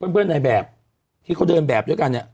เพื่อนนายแบบที่เขาเดินแบบด้วยกัน